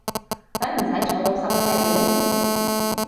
使唔使坐到十尺遠？